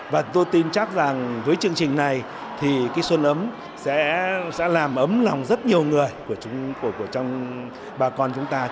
và tôi tin chắc rằng với chương trình này thì cái xuân ấm sẽ làm ấm lòng rất nhiều người của trong bà con chúng ta